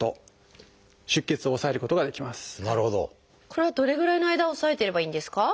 これはどれぐらいの間押さえてればいいんですか？